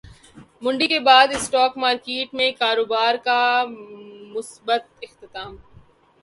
مندی کے بعد اسٹاک مارکیٹ میں کاروبار کا مثبت اختتام